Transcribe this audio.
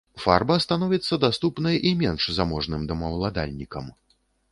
Фарба становіцца даступнай і менш заможным домаўладальнікам.